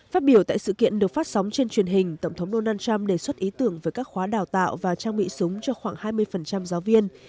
phát biểu tại sự kiện được phát sóng trên truyền hình tổng thống donald trump đề xuất ý tưởng về các khóa đào tạo và trang bị súng cho khoảng hai mươi giáo viên